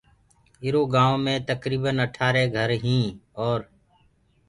ايٚرو گآئونٚ مي تڪريٚبن اٺآرينٚ گھر هينٚٚ اور